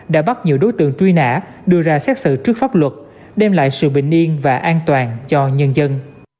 đã bắt nhiều đối tượng truy nã đưa ra xét xử trước pháp luật đem lại sự bình yên và an toàn cho nhân dân